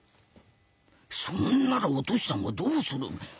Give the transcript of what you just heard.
そんならお敏さんはどうする。